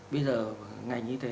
bây giờ ngành như thế